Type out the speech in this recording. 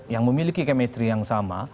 yang memiliki chemistry yang sama